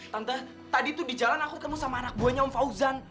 tante tadi tuh di jalan aku ketemu sama anak buahnya om fauzan